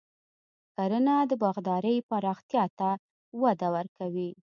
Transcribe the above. کرنه د باغدارۍ پراختیا ته وده ورکوي.